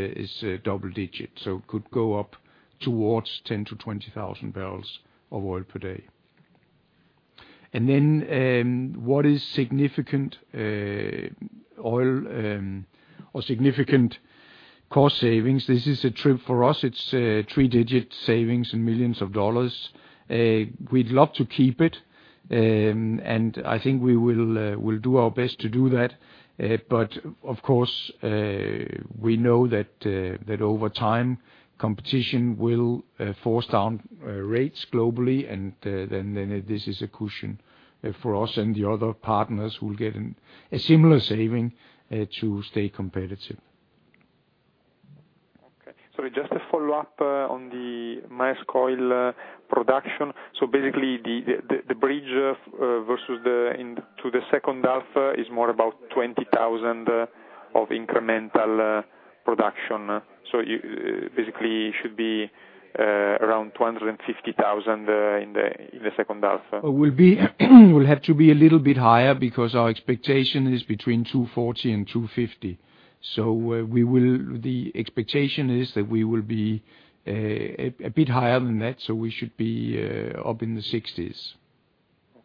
double-digit, so could go up towards 10,000-20,000 barrels of oil per day. Then what is significant in oil or significant cost savings, this is a treat for us. It's three-digit savings and millions of dollars. We'd love to keep it. I think we will do our best to do that. Of course, we know that over time, competition will force down rates globally, and then this is a cushion for us and the other partners who will get a similar saving to stay competitive. Okay. Sorry, just a follow-up on the Maersk Oil production. Basically, the bridge versus the end into the second half is more about 20,000 of incremental production. You basically should be around 250,000 in the second half. Will have to be a little bit higher because our expectation is between 240,000 and 250,000. The expectation is that we will be a bit higher than that, so we should be up in the sixties.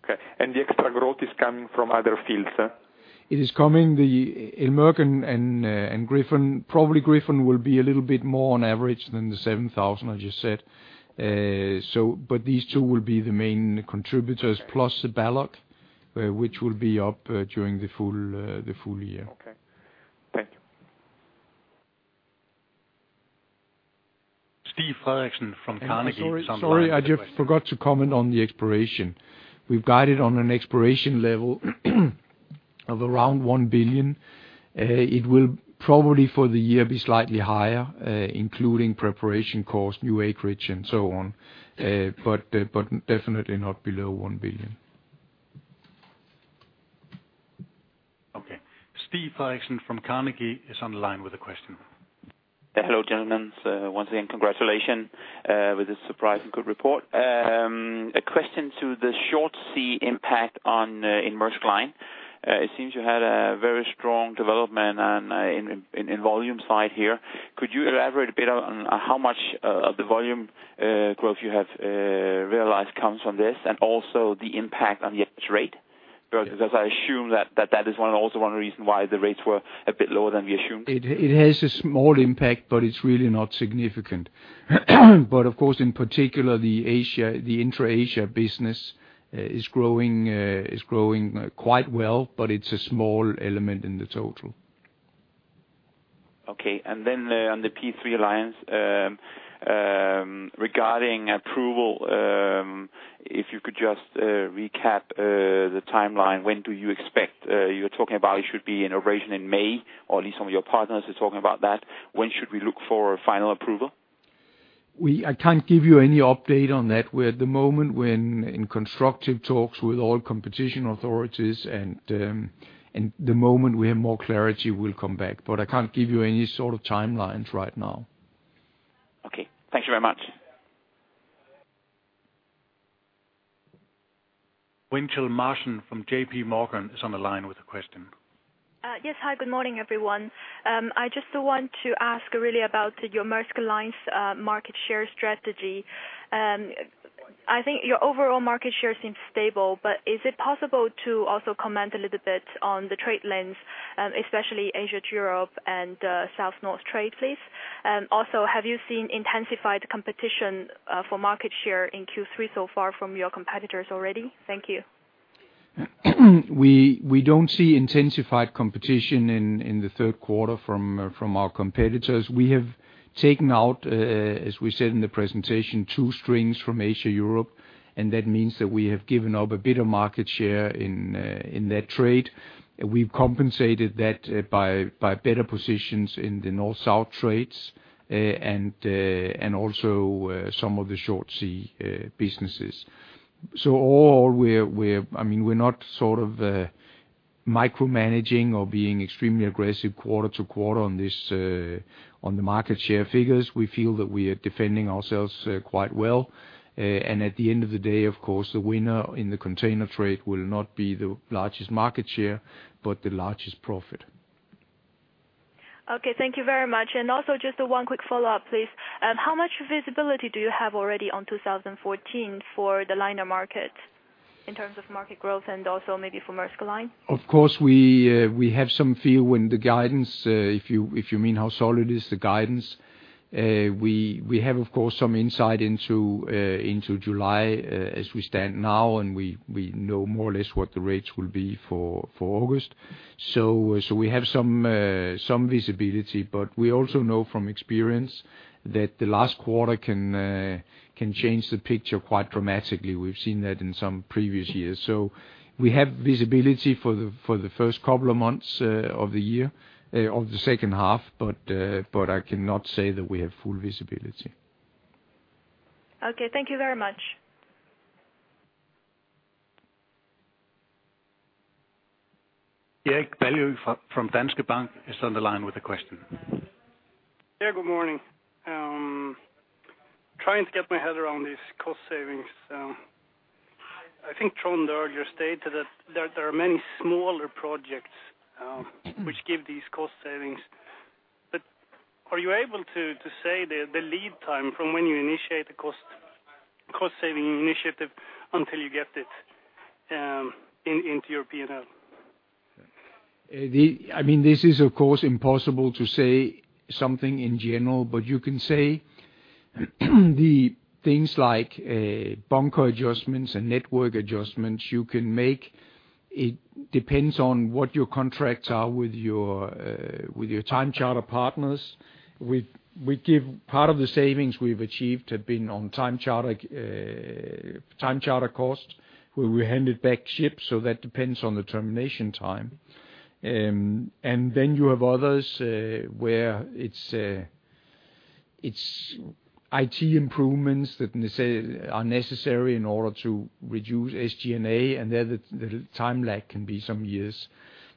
Okay. The extra growth is coming from other fields? It is coming, the El Merk and Gryphon, probably Gryphon will be a little bit more on average than the 7,000 I just said. But these two will be the main contributors, plus Balloch, which will be up during the full year. Okay. Thank you. Stig Frederiksen from Carnegie is on the line. Sorry, I just forgot to comment on the exploration. We've guided on an exploration level of around $1 billion. It will probably for the year be slightly higher, including preparation costs, new acreage, and so on. Definitely not below $1 billion. Okay, Stig Frederiksen from Carnegie is on the line with a question. Hello, gentlemen. Once again, congratulations with this surprising good report. A question to the short sea impact on Maersk Line. It seems you had a very strong development on volume side here. Could you elaborate a bit on how much of the volume growth you have realized comes from this, and also the impact on the average rate? Because as I assume that is one reason why the rates were a bit lower than we assumed. It has a small impact, but it's really not significant. Of course, in particular, the intra-Asia business is growing quite well, but it's a small element in the total. Okay. On the P3 Alliance, regarding approval, if you could just recap the timeline, when do you expect you're talking about it should be in operation in May, or at least some of your partners are talking about that. When should we look for a final approval? I can't give you any update on that. We're at the moment in constructive talks with all competition authorities, and the moment we have more clarity, we'll come back. I can't give you any sort of timelines right now. Okay. Thank you very much. Jill Martin from JPMorgan is on the line with a question. Yes, hi, good morning, everyone. I just want to ask really about your Maersk Line's market share strategy. I think your overall market share seems stable, but is it possible to also comment a little bit on the trade lanes, especially Asia to Europe and South-North trade, please. Also, have you seen intensified competition for market share in Q3 so far from your competitors already? Thank you. We don't see intensified competition in the third quarter from our competitors. We have taken out, as we said in the presentation, two strings from Asia Europe, and that means that we have given up a bit of market share in that trade. We've compensated that by better positions in the North-South trades and also some of the short sea businesses. I mean, we're not sort of micromanaging or being extremely aggressive quarter to quarter on this on the market share figures. We feel that we are defending ourselves quite well. At the end of the day, of course, the winner in the container trade will not be the largest market share, but the largest profit. Okay, thank you very much. Just one quick follow-up, please. How much visibility do you have already on 2014 for the liner market in terms of market growth and also maybe for Maersk Line? Of course, we have some feel when the guidance if you mean how solid is the guidance. We have, of course, some insight into July as we stand now, and we know more or less what the rates will be for August. We have some visibility, but we also know from experience that the last quarter can change the picture quite dramatically. We've seen that in some previous years. We have visibility for the first couple of months of the year of the second half, but I cannot say that we have full visibility. Okay, thank you very much. [inaudible] from Danske Bank is on the line with the question. Yeah, good morning. Trying to get my head around these cost savings. I think Trond earlier stated that there are many smaller projects which give these cost savings. Are you able to say the lead time from when you initiate the cost-saving initiative until you get it into your P&L? I mean, this is, of course, impossible to say something in general, but you can say the things like bunker adjustments and network adjustments you can make. It depends on what your contracts are with your time charter partners. We give part of the savings we've achieved have been on time charter cost, where we handed back ships, so that depends on the termination time. You have others, where it's IT improvements that are necessary in order to reduce SG&A, and there the time lag can be some years.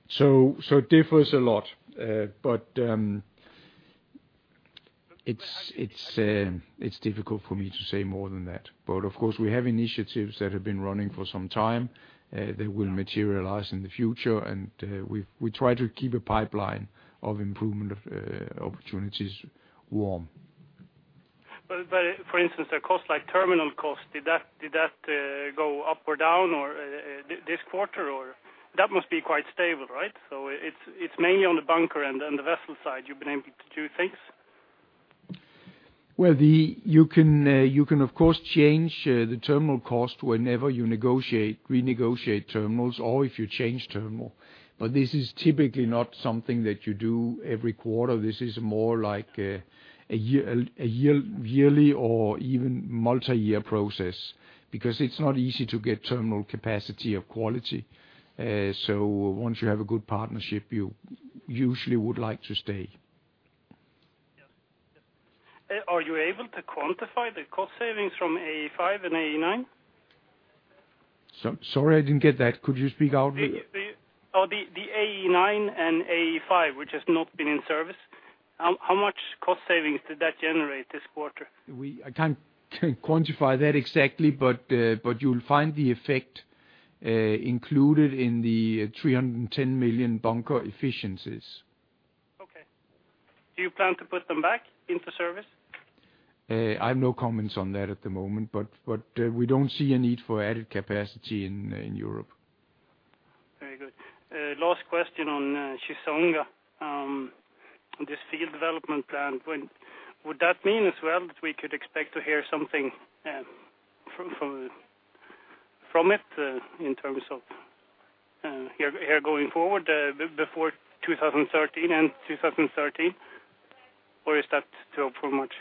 It differs a lot. It's difficult for me to say more than that. Of course, we have initiatives that have been running for some time that will materialize in the future. We try to keep a pipeline of improvement of opportunities warm. For instance, a cost like terminal cost, did that go up or down or this quarter or that must be quite stable, right? It's mainly on the bunker and the vessel side, you've been able to do things. Well, you can, of course, change the terminal cost whenever you negotiate, renegotiate terminals or if you change terminal. But this is typically not something that you do every quarter. This is more like a yearly or even multi-year process because it's not easy to get terminal capacity of quality. Once you have a good partnership, you usually would like to stay. Yes. Are you able to quantify the cost savings from AE5 and AE9? Sorry, I didn't get that. Could you speak out? The AE9 and AE5, which has not been in service, how much cost savings did that generate this quarter? I can't quantify that exactly, but you'll find the effect included in the $310 million bunker efficiencies. Okay. Do you plan to put them back into service? I have no comments on that at the moment, but we don't see a need for added capacity in Europe. Very good. Last question on Chissonga, this field development plan. When would that mean as well that we could expect to hear something from it in terms of hearing going forward before 2013, or is that still too much?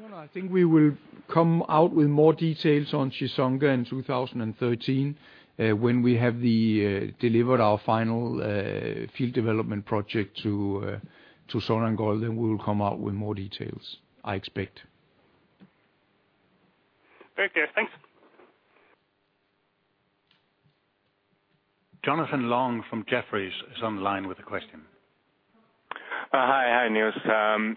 No, no. I think we will come out with more details on Chissonga in 2013, when we have delivered our final field development project to Sonangol, then we will come out with more details, I expect. Very clear. Thanks. Jonathan Long from Jefferies is on the line with a question. Hi, Nils.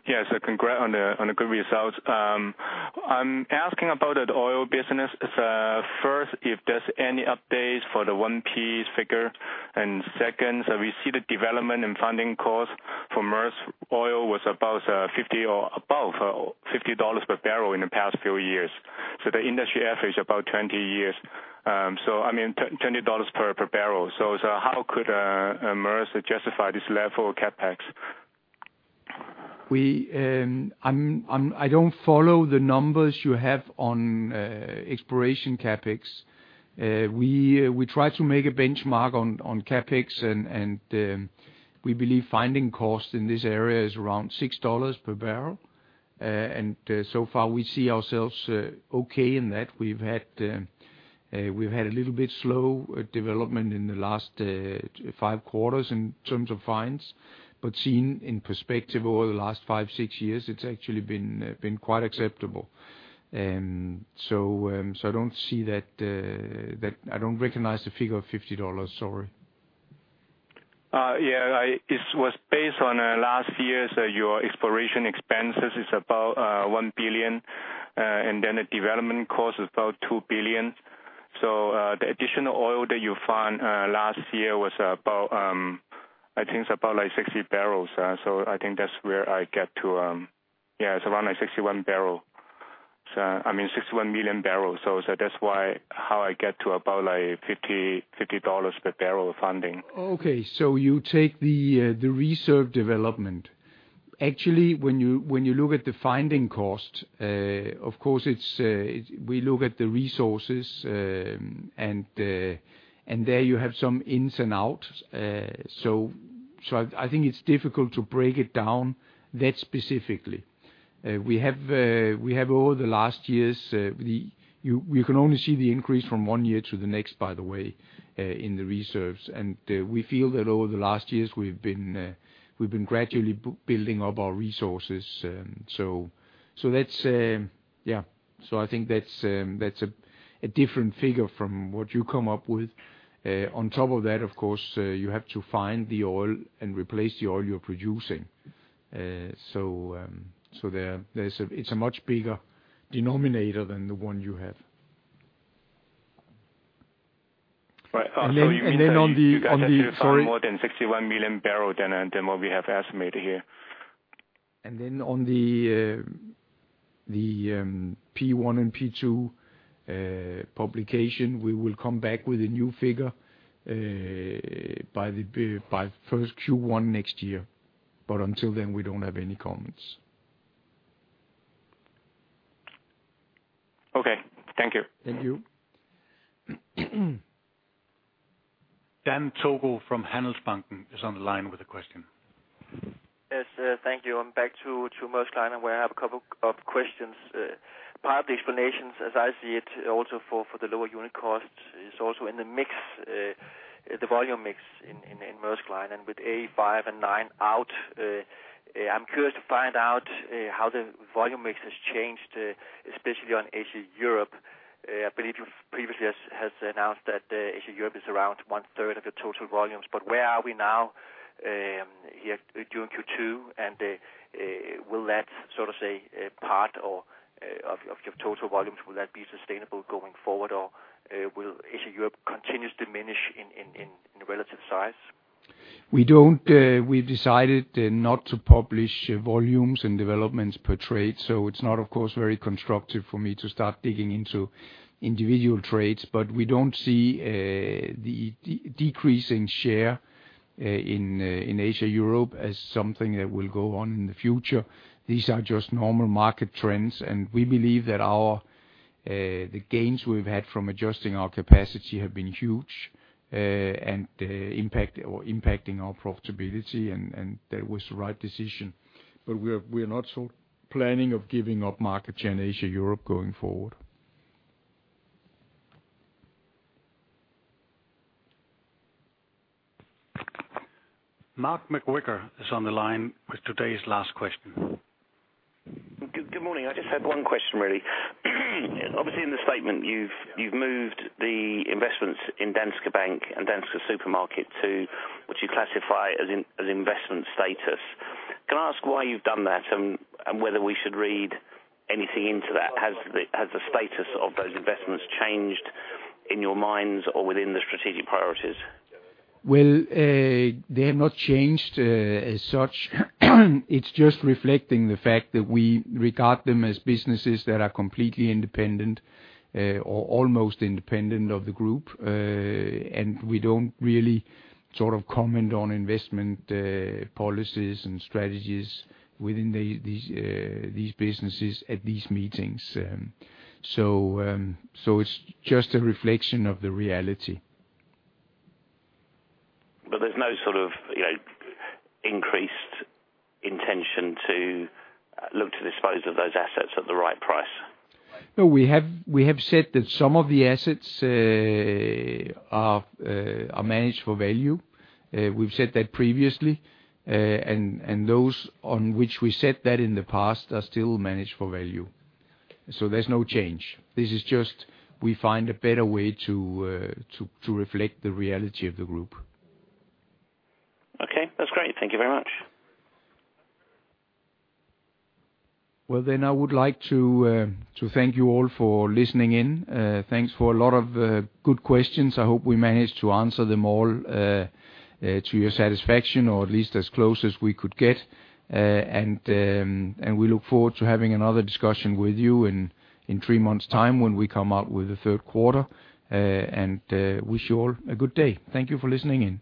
Yes, congrats on the good results. I'm asking about the oil business. First, if there's any updates for the 1P figure, and second, we see the development and funding costs for Maersk Oil was about $50 or above $50 per barrel in the past few years. The industry average about 20 years. I mean, $10-$20 per barrel. How could Maersk justify this level of CapEx? I don't follow the numbers you have on exploration CapEx. We try to make a benchmark on CapEx and we believe finding costs in this area is around $6 per barrel. So far, we see ourselves okay in that. We've had a little bit slow development in the last 5 quarters in terms of finds, but seen in perspective over the last 5-6 years, it's actually been quite acceptable. I don't see that. I don't recognize the figure of $50. Sorry. It was based on last year's your exploration expenses. It's about $1 billion and then the development cost is about $2 billion. The additional oil that you found last year was about. I think it's about like 60 barrels. I think that's where I get to. It's around like 61 barrel. I mean 61 million barrels. That's why, how I get to about like $50 per barrel finding. Okay. You take the reserve development. Actually, when you look at the finding cost, of course it's. We look at the resources, and there you have some ins and outs. I think it's difficult to break it down that specifically. We have over the last years. You can only see the increase from one year to the next, by the way, in the reserves. We feel that over the last years we've been gradually building up our resources. Let's. I think that's a different figure from what you come up with. On top of that, of course, you have to find the oil and replace the oil you're producing. It's a much bigger denominator than the one you have. Right. You mean that you- Sorry. You guys have to find more than 61 million barrel than what we have estimated here. In the P1 and P2 publication, we will come back with a new figure by first Q1 next year. Until then, we don't have any comments. Okay. Thank you. Thank you. Dan Togo from Handelsbanken is on the line with a question. Yes, thank you. I'm back to Maersk Line, where I have a couple of questions. Part of the explanations as I see it also for the lower unit costs is also in the mix, the volume mix in Maersk Line. With AE5 and AE9 out, I'm curious to find out how the volume mix has changed, especially on Asia/Europe. I believe you've previously announced that Asia/Europe is around one-third of the total volumes. Where are we now, here during Q2, and will that sort of say part of your total volumes, will that be sustainable going forward, or will Asia/Europe continues to diminish in the relative size? We've decided not to publish volumes and developments per trade, so it's not, of course, very constructive for me to start digging into individual trades. We don't see the decreasing share in Asia/Europe as something that will go on in the future. These are just normal market trends, and we believe that the gains we've had from adjusting our capacity have been huge and impacting our profitability, and that was the right decision. We're not sort of planning on giving up market share in Asia/Europe going forward. Mark McVicar is on the line with today's last question. Good morning. I just had one question, really. Obviously, in the statement, you've moved the investments in Danske Bank and Dansk Supermarked to what you classify as investment status. Can I ask why you've done that and whether we should read anything into that? Has the status of those investments changed in your minds or within the strategic priorities? Well, they have not changed as such. It's just reflecting the fact that we regard them as businesses that are completely independent or almost independent of the group. We don't really sort of comment on investment policies and strategies within these businesses at these meetings. It's just a reflection of the reality. There's no sort of, you know, increased intention to look to dispose of those assets at the right price? No. We have said that some of the assets are managed for value. We've said that previously. Those on which we set that in the past are still managed for value. There's no change. This is just we find a better way to reflect the reality of the group. Okay. That's great. Thank you very much. Well, I would like to thank you all for listening in. Thanks for a lot of good questions. I hope we managed to answer them all to your satisfaction, or at least as close as we could get. We look forward to having another discussion with you in three months' time when we come out with the third quarter. Wish you all a good day. Thank you for listening in.